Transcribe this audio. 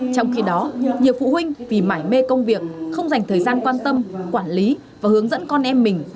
trong khi đó nhiều phụ huynh vì mải mê công việc không dành thời gian quan tâm quản lý và hướng dẫn con em mình